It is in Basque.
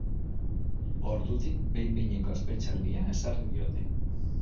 Ordutik, behin-behineko espetxealdia ezarri diote.